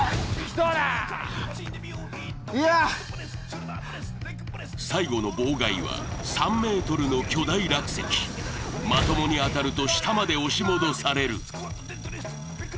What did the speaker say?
どうだいや最後の妨害は３ｍの巨大落石まともに当たると下まで押し戻される